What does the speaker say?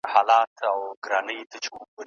خپله ټولنه له فکري بېسوادۍ څخه شعور ته يوسئ.